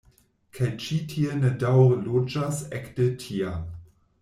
Kaj ĉi tie ni daŭre loĝas ekde tiam.